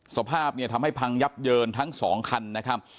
สภาพเนี่ยทำให้พังยับเยินทั้งสองคันนะครับ